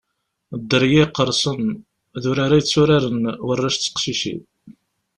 Dderya Iqersen d urar ay tturaren warrac d teqcicin.